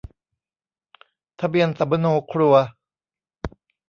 ทะเบียนสำมะโนครัว